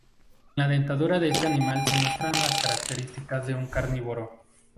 En la dentadura de este animal se muestra las características de un carnívoro.